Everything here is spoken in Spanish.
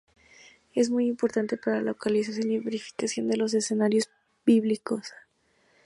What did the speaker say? Es muy importante para la localización y verificación de los escenarios bíblicos.